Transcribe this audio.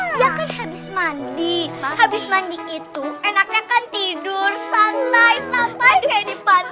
dia kan habis mandi habis mandi itu enaknya kan tidur santai santai kayak di pantai